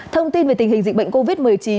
thông tin về tình hình dịch bệnh covid một mươi chín